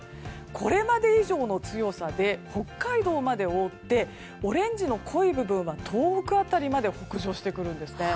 これまで以上の強さで北海道まで覆ってオレンジの濃い部分は東北辺りまで北上してくるんですね。